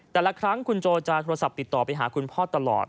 แต่ละครั้งคุณโจจะโทรศัพท์ติดต่อไปหาคุณพ่อตลอด